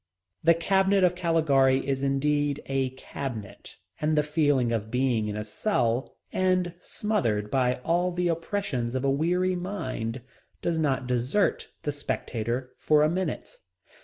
The cabinet of Caligari is indeed a cabinet, and the feeling of being in a cell, and smothered by all the oppressions of a weary mind, does not desert the spectator for a minute.